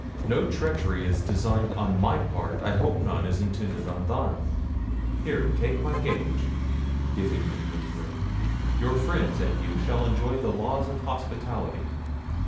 No treachery is designed on my part; I hope none is intended on thine; here take my gage" (giving him his ring): "your friends and you shall enjoy the laws of hospitality.